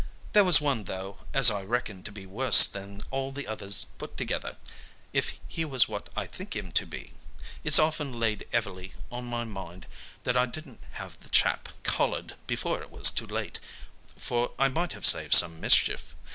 There was one though as I reckon to be worse than all the others put together, if he was what I think him to be. It's often laid heavy on my mind that I didn't have that chap collared before it was too late, for I might have saved some mischief.